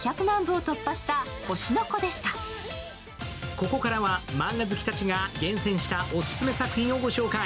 ここからはマンガ好きたちが厳選したオススメ作品をご紹介。